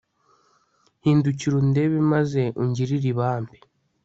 hindukira undebe maze ungirire ibambe